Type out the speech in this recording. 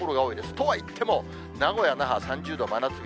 とはいっても、名古屋、那覇３０度、真夏日。